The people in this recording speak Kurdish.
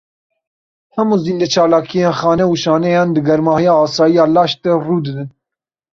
Hemû zîndeçalakiyên xane û şaneyan, di germahiya asayî ya laş de rû didin.